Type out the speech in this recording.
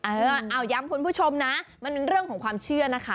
เออเอาย้ำคุณผู้ชมนะมันเป็นเรื่องของความเชื่อนะคะ